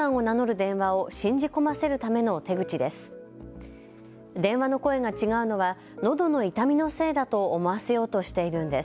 電話の声が違うのはのどの痛みのせいだと思わせようとしているのです。